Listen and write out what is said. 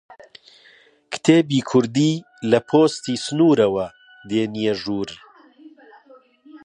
کتێبی کوردی لە پۆستی سنوورەوە دێنیە ژوور؟